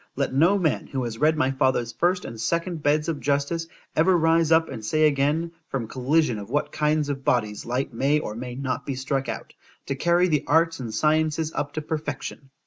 Let no man, who has read my father's first and second beds of justice, ever rise up and say again, from collision of what kinds of bodies light may or may not be struck out, to carry the arts and sciences up to perfection.